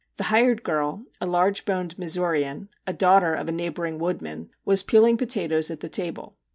The ' hired girl/ a large boned Missourian, a daughter of a neighbouring woodman, was peeling potatoes at the table.